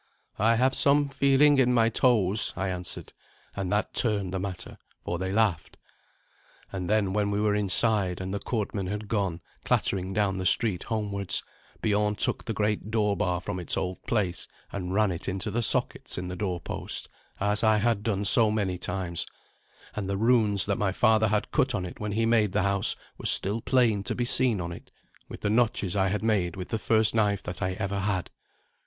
"I have some feeling in my toes," I answered; and that turned the matter, for they laughed. And then, when we were inside, and the courtmen had gone clattering down the street homewards, Biorn took the great door bar from its old place and ran it into the sockets in the doorposts, as I had done so many times; and the runes that my father had cut on it when he made the house were still plain to be seen on it, with the notches I had made with the first knife that I ever had.